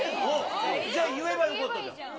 じゃあ言えばよかったじゃん。